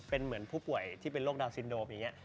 เป็นเหมือนผู้ป่วยที่เป็นโรคดาวซินโดมอย่างนี้